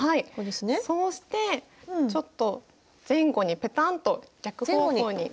そうしてちょっと前後にペタンと逆方向に。